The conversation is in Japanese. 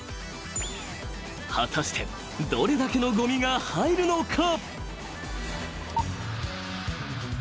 ［果たしてどれだけのごみが入るのか？］